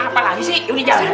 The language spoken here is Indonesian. apa lagi sih ini jalan